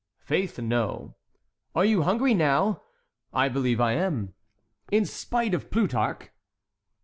"Faith, no." "Are you hungry now?" "I believe I am." "In spite of Plutarch?"